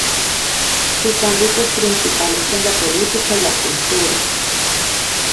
Sus ámbitos principales son la política y la cultura.